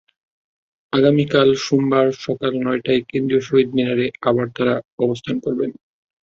আগামীকাল সোমবার সকাল নয়টায় কেন্দ্রীয় শহীদ মিনারে আবার তাঁরা অবস্থান করবেন।